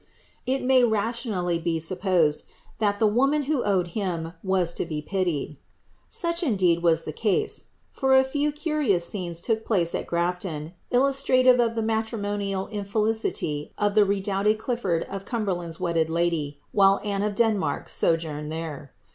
It may rationally be supposed. [I:;ii ihe "woman tvho owned him" tras to be pilied ! Such, indeed. «as lie case ; for a few curious scenes look place at Graflon, illusiralive of A" matrimonial infelicity of tlie redoubled Clitliird of Cumberland'* iveJiltJ lady, while Anne of Denmark sojourned there.